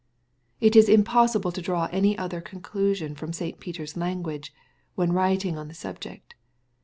It is impossible to draw any other con clusion from St. Peter's language, when writing on the subject.